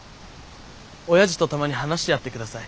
おやじとたまに話してやってください。